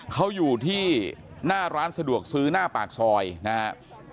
เขาอยู่ที่หน้าร้านสะดวกซื้อหน้าปากซอยนะครับ